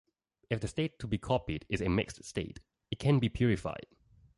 If the state to be copied is a mixed state, it can be purified.